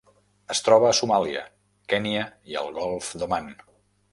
Es troba a Somàlia, Kenya i el Golf d'Oman.